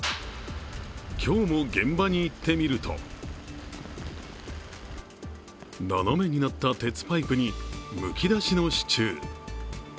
今日も現場に行ってみると斜めになった鉄パイプにむき出しの支柱。